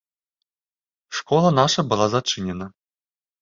Школа наша была зачынена.